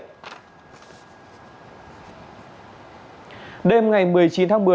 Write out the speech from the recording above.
đêm một mươi chín tháng một mươi công an thành phố vinh đã tham gia dự thầu các công trình xây dựng